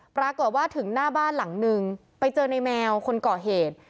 ปรากฏว่าถึงหน้าบ้านหลังนึงไปเจอในแมวคนก่อเหตุ